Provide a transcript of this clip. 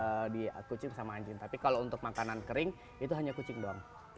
kalau di kucing sama anjing tapi kalau untuk makanan kering itu hanya kucing doang